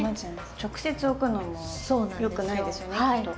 直接置くのもよくないですよねきっと。